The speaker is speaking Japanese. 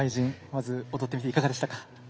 まず踊ってみていかがでしたか？